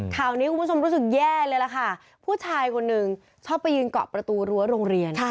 ข่าวนี้คุณผู้ชมรู้สึกแย่เลยล่ะค่ะผู้ชายคนหนึ่งชอบไปยืนเกาะประตูรั้วโรงเรียน